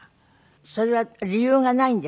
それは理由がないんですか？